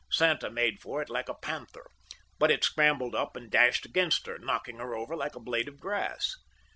Santa made for it like a panther; but it scrambled up and dashed against her, knocking her over like a blade of grass.